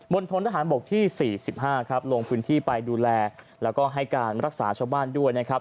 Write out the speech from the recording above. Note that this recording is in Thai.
ณฑนทหารบกที่๔๕ครับลงพื้นที่ไปดูแลแล้วก็ให้การรักษาชาวบ้านด้วยนะครับ